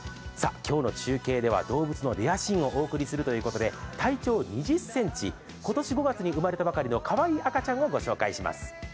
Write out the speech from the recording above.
今日の中継では動物のレアシーンをお送りするということで体長２０ｃｍ、今年５月に生まれたばかりのかわいい赤ちゃんをご紹介します。